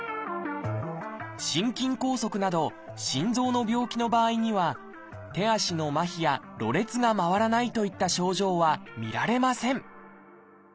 心筋梗塞など心臓の病気の場合には手足のまひやろれつがまわらないといった症状は見られません